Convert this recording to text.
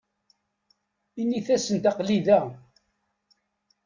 Init-asent aql-i da.